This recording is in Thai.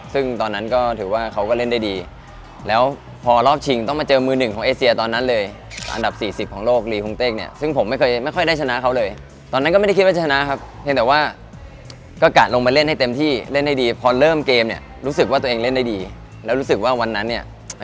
ซึ่งตอนนั้นก็ถือว่าเขาก็เล่นได้ดีแล้วพอรอบชิงต้องมาเจอมือหนึ่งของเอเซียตอนนั้นเลยอันดับสี่สิบของโลกลีคงเต้งเนี่ยซึ่งผมไม่เคยไม่ค่อยได้ชนะเขาเลยตอนนั้นก็ไม่ได้คิดว่าจะชนะครับเพียงแต่ว่าก็กะลงมาเล่นให้เต็มที่เล่นให้ดีพอเริ่มเกมเนี่ยรู้สึกว่าตัวเองเล่นได้ดีแล้วรู้สึกว่าวันนั้นเนี่ย